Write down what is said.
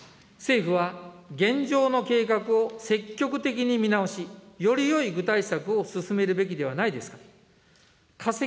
政府は現状の計画を積極的に見直し、よりよい具体策を進めるべきではないですか。